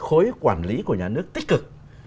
khối quản lý của nhà nước tích cực